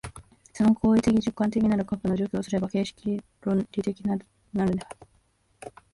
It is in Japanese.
その行為的直観的なる核を除去すれば形式論理的となるのである。